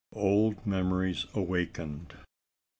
OLD MEMORIES AWAKENED.